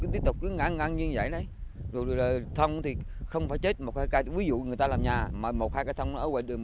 điều thông thì không phải chết một cái cái ví dụ người ta làm nhà mà một hai cái thông ở ngoài đường